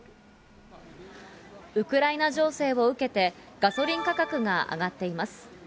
ウクライナ情勢を受けて、ガソリン価格が上がっています。